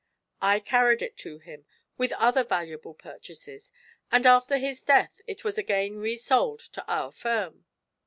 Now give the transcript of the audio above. I carried it to him, with other valuable purchases, and after his death it was again resold to our firm.